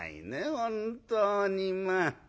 本当にまあ。